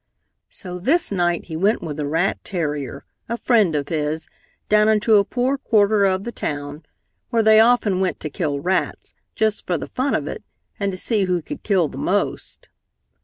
So this night he went with a rat terrier, a friend of his, down into a poor quarter of the town, where they often went to kill rats, just for the fun of it and to see who could kill the most.